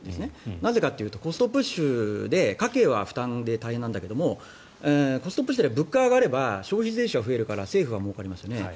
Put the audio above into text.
なぜかというとコストプッシュで家計は負担で大変なんだけどコストプッシュで物価が上がれば消費税収が増えるから政府はもうかりますよね。